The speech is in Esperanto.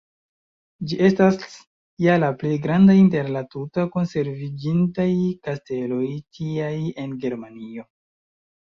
Ĝi estas ja la plej grandaj inter la tute konserviĝintaj kasteloj tiaj en Germanio.